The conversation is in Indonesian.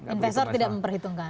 investor tidak memperhitungkan